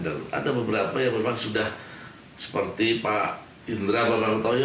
dan ada beberapa yang memang sudah seperti pak indra bapak toyo